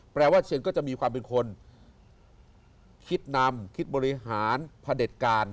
ว่าเชียงก็จะมีความเป็นคนคิดนำคิดบริหารพระเด็จการ